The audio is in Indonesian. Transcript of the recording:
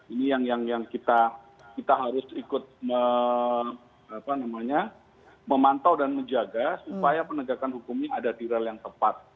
ini yang kita harus ikut memantau dan menjaga supaya penegakan hukumnya ada di rel yang tepat